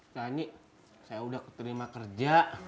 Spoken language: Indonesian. nyanyi saya udah keterima kerja